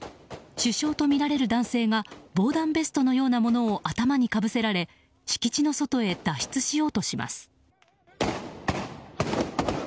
首相とみられる男性が防弾ベストのようなものを頭にかぶせられ敷地の外に脱出しようとします。